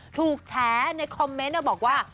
ถูกแชร์ในคอมเมนต์บอกว่า